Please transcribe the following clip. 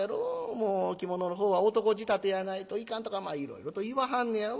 もう着物のほうは男仕立てやないといかんとかいろいろと言わはんのやわ。